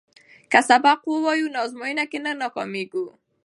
که سبق ووایو نو ازموینه کې نه ناکامیږو.